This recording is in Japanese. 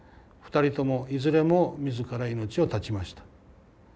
２人ともいずれも自ら命を絶ちました。